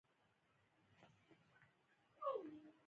پرون مو خوله خلاصه کړه.